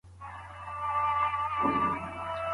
ولي زیارکښ کس د با استعداده کس په پرتله هدف ترلاسه کوي؟